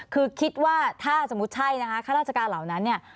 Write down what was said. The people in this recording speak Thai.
คือคิดว่าถ้าสมมุติใช่นะคะข้าราชการเหล่านั้นเนี่ย